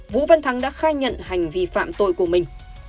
vũ văn thắng đã khai nhận hành vi phạm tội của mình